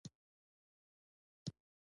افغانستان کې باران د هنر په اثار کې دي.